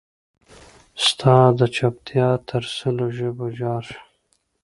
ستا دچوپتیا تر سلو ژبو جارشم